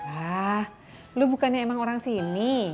ah lu bukannya emang orang sini